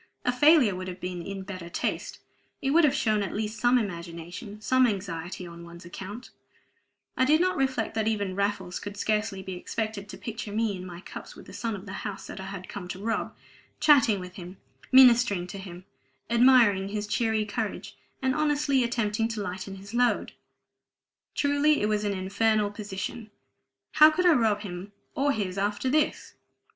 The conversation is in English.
A failure would have been in better taste; it would have shown at least some imagination, some anxiety on one's account I did not reflect that even Raffles could scarcely be expected to picture me in my cups with the son of the house that I had come to rob; chatting with him, ministering to him; admiring his cheery courage, and honestly attempting to lighten his load! Truly it was an infernal position: how could I rob him or his after this?